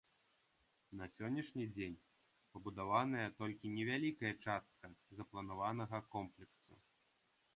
На сённяшні дзень пабудаваная толькі невялікая частка запланаванага комплексу.